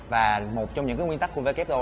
và một trong những cái nguyên tắc của wto